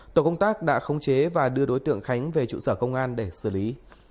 tổ công tác đã khống chế và đưa đối tượng khánh về trụ sở công an để xử lý